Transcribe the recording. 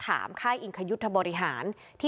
เพราะว่าพ่อมีสองอารมณ์ความรู้สึกดีใจที่เจอพ่อแล้ว